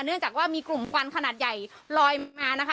เนื่องจากว่ามีกลุ่มควันขนาดใหญ่ลอยมานะคะ